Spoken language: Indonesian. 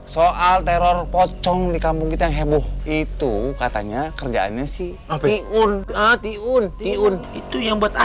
soal teror pocong di kampung itu yang heboh itu katanya kerjaannya sih api un a ti un itu yang buat acar ya